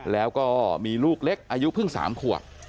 แล้วก็มีลูกเล็กอายุเพิ่ง๓ขวบ